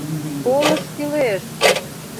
Полыш кӱлеш!